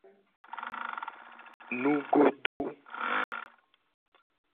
Nugodo.